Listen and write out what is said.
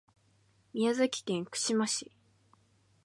宮崎県串間市